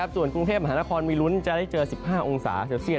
ส่วนกรุงเทพฯมหานครมิรุ้นจะได้เจอ๑๕องศาเศรษฐ์